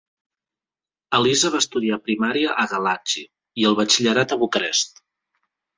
Elisa va estudiar primària a Galati i el batxillerat a Bucarest.